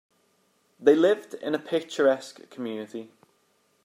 They lived in a picturesque community.